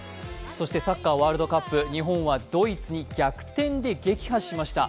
そしてサッカーワールドカップ、日本はドイツに逆転で撃破しました。